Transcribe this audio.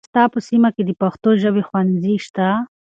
آیا ستا په سیمه کې د پښتو ژبې ښوونځي شته؟